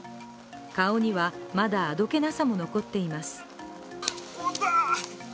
顔にはまだあどけなさも残っています。